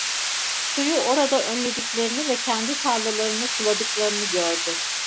Suyu orada önlediklerini ve kendi tarlalarını suladıklarını gördü.